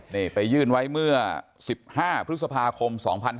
นี่ไปยื่นไว้เมื่อ๑๕พฤษภาคม๒๕๕๙